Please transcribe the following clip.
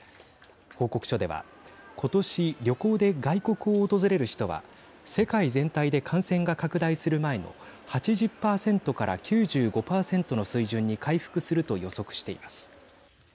報告書では今年旅行で外国を訪れる人は世界全体で感染が拡大する前の８０％から９５％の水準に回復すると予測しています。